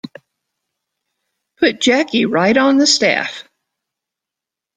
Put Jackie right on the staff.